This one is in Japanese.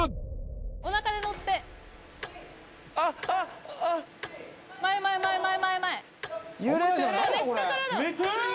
おなかで乗って前前前前前前・７８９・１０！